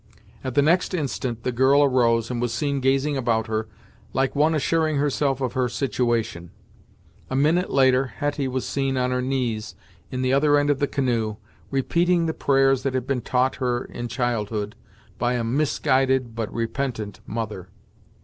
At the next instant the girl arose and was seen gazing about her, like one assuring herself of her situation. A minute later, Hetty was seen on her knees in the other end of the canoe, repeating the prayers that had been taught her in childhood by a misguided but repentant mother.